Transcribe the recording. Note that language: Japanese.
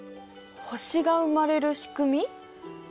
星が生まれる仕組み？